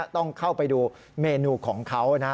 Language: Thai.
ต้องเข้าไปดูเมนูของเขานะ